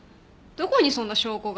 どこにそんな証拠が？